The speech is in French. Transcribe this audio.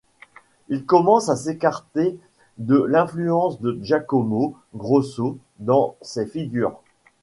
Il commence à s'écarter de l'influence de Giacomo Grosso dans ses figures.